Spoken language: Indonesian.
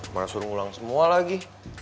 mana suruh ngulang semua lagi